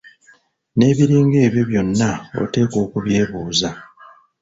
N'ebiringa ebyo byonna oteekwa okubyebuuza.